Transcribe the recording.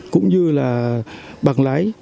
cũng như bằng lái